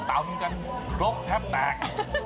ตำกันรกแทบแตก